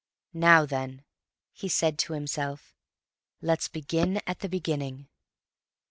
"Now then," he said to himself, "let's begin at the beginning."